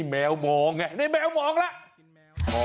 ให้แมวมองไงได้แมวมองแล้ว